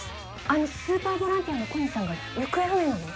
あのスーパーボランティアの小西さんが行方不明なの？